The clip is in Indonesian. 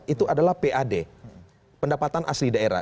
itu adalah pad pendapatan asli daerah